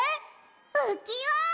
うきわ！